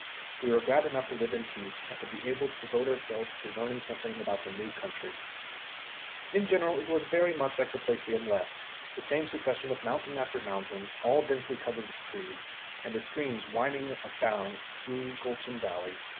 We were glad enough to live in peace, and to be able to devote ourselves to learning something about the new country. In general it was very much like the place that we had left the same succession of mountain after mountain, all densely covered with trees, and with the streams winding down through gulch and valley.